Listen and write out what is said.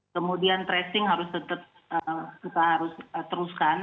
kemudian tracing harus tetap kita harus teruskan